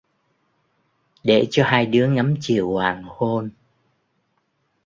Để cho hai đứa ngắm chiều hoàng hôn